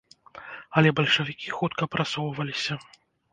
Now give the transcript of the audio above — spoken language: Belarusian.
Але бальшавікі хутка прасоўваліся.